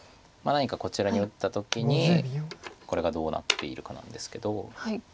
何かこちらに打った時にこれがどうなっているかなんですけど。